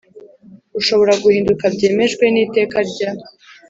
ushobora guhinduka byemejwe n Iteka rya